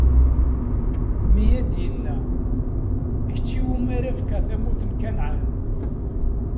Mi ad-inna: D kečč iwumi ara fkeɣ tamurt n Kanɛan.